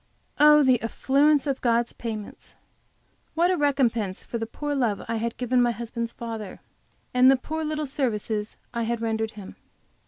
Oh, the affluence of God's payments! What a recompense for the poor love I had given my husband's father, and the poor little services I had rendered him!